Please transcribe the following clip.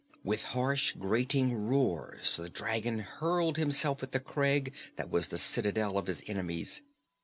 With harsh, grating roars, the dragon hurled himself at the crag that was the citadel of his enemies.